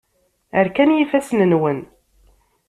Rkan yifassen-nwen.